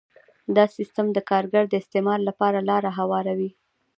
دا سیستم د کارګر د استثمار لپاره لاره هواروي